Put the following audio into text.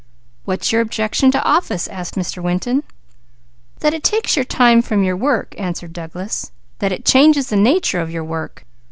"What's your objection to office?" asked Mr. Winton. "That it takes your time from your work," answered Douglas. "That it changes the nature of your work.